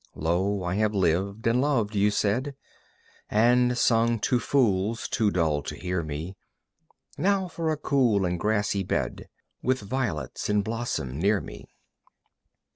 "Lo, I have lived and loved," you said, "And sung to fools too dull to hear me. Now for a cool and grassy bed With violets in blossom near me."